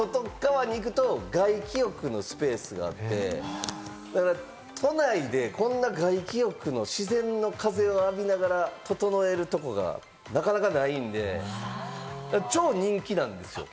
で、その外側に行くと外気浴のスペースがあって、都内でこんな外気浴の自然の風を浴びながら、ととのえるところがなかなかないんで、超人気なんですよ。